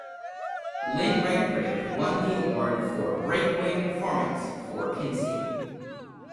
Lynn Redgrave won the award for Breakaway Performance for "Kinsey".